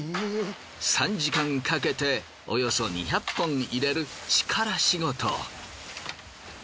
３時間かけておよそ２００本入れる力仕事。